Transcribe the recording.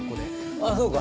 あそうか。